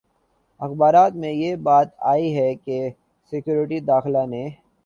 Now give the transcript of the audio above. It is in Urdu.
اخبارات میں یہ بات آئی ہے کہ سیکرٹری داخلہ نے